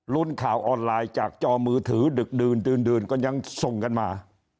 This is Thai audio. ข่าวออนไลน์จากจอมือถือดึกดื่นก็ยังส่งกันมา